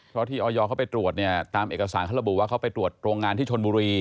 เพราะที่ออยเขาไปตรวจเนี่ยตามเอกสารเขาระบุว่าเขาไปตรวจโรงงานที่ชนบุรี